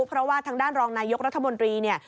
เพราะว่าทางด้านรองนายกรัฐมนตรีเนี่ย